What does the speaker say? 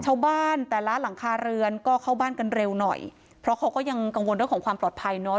ชาวบ้านแต่ละหลังคาเรือนก็เข้าบ้านกันเร็วหน่อยเพราะเขาก็ยังกังวลเรื่องของความปลอดภัยเนอะ